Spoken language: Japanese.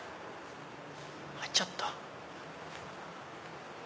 入っちゃった。